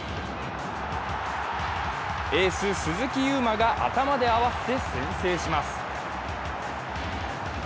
エース・鈴木優磨が頭で合わせて先制します。